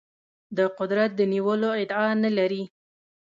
د قدرت د نیولو ادعا نه لري.